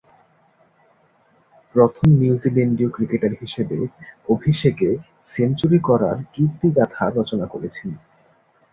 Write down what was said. প্রথম নিউজিল্যান্ডীয় ক্রিকেটার হিসেবে অভিষেকে সেঞ্চুরি করার কীর্তিগাঁথা রচনা করেছেন।